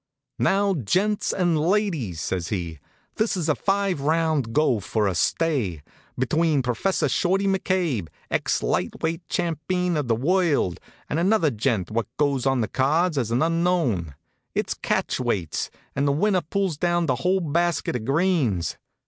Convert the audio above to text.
"Now gents and ladies," says he, "this is a five round go for a stay, between Professor Shorty McCabe, ex light weight champeen of the world, and another gent what goes on the cards as an unknown. It's catch weights, an' the winner pulls down the whole basket of greens.